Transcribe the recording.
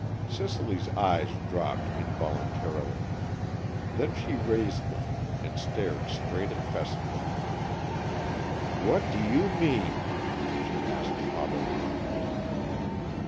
Cicely eyes dropped involuntarily. Then she raised them, and stared straight at Fessenden. "What do you mean?" she asked haughtily.